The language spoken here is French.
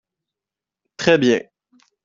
Très bien